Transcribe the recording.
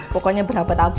pokoknya berapa abad deh